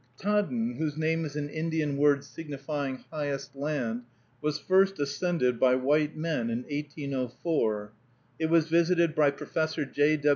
Ktaadn, whose name is an Indian word signifying highest land, was first ascended by white men in 1804. It was visited by Professor J.